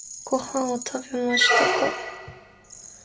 ご飯を食べましたか？